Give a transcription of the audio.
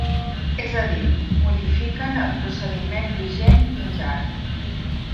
És a dir, modifiquen el procediment vigent fins ara.